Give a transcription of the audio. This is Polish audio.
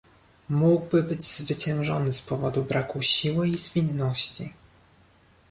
"Mógłby być zwyciężony z powodu braku siły i zwinności."